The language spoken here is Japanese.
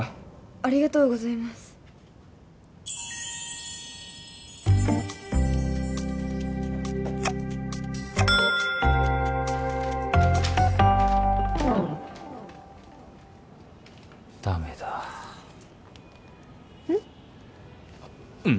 ありがとうございますダメだうん？